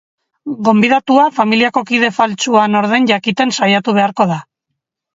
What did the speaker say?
Gonbidatua familiako kide faltsua nor den jakiten saiatu beharko da.